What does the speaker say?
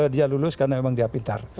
dia lulus karena memang dia pintar